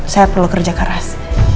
saya perlu kerja keras